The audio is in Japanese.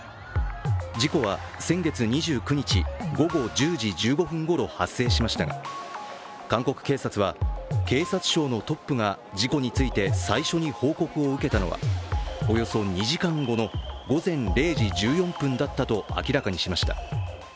事故は先月２９日午後１０時１５分ごろ発生しましたが、韓国警察は警察庁のトップが事故について最初に報告を受けたのはおよそ２時間後の午前０時１４分だったと明らかにしました。